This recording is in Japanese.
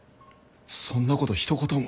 そんな事一言も。